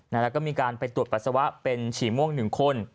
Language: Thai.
แล้วก็มีการไปตรวจปัสสาวะเป็นฉี่ม่วง๑คน